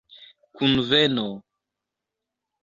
kunveno